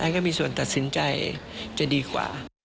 ก็มีส่วนตัดสินใจจะดีกว่า